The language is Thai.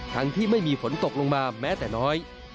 ทั้งที่ไม่มีฝนตกลงมาแม้แต่น้อย